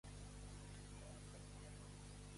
Aquest divendres s'estrena "El Fotógrafo de Mauthasuen".